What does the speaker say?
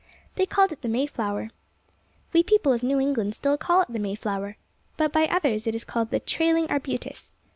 They called it the Mayflower. We people of New England still call it the May flower, but by others it is called the trailing arbutus.